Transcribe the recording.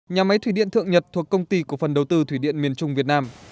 nhà máy thủy điện thượng nhật thuộc công ty cổ phần đầu tư thủy điện miền trung việt nam